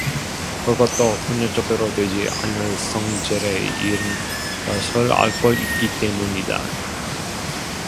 그것도 폭력으로는 되지 않을 성질의 일인 것을 알고 있기 때문이다.